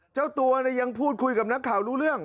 เจ้าตัวยังพูดคุยกับนักข่าวรู้เรื่อง